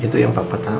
itu yang papa tahu